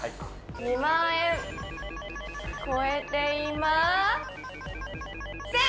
２万円超えていません！